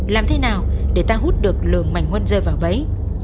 làm thế nào để ta hút được lường mảnh huân rơi vào bấy